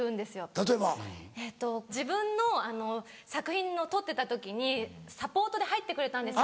例えば？自分の作品の撮ってた時にサポートで入ってくれたんです。